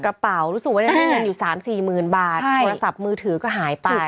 กระเป๋ารู้สึกว่าในนั้นเงินอยู่๓๔หมื่นบาทโทรศัพท์มือถือก็หายไป